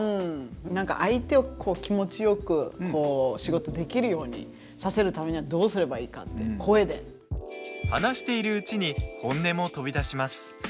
なんか相手を気持ちよく仕事できるようにさせるためにはどうすればいいかって、声で。話しているうちに本音も飛び出します。